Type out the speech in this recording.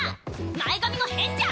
前髪も変じゃ！